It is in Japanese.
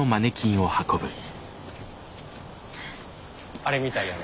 あれみたいやね。